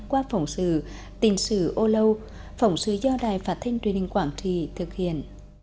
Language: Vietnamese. và phổng sử tình sự âu lâu phổng sử do đài phát thanh truyền hình quảng trì thực hiện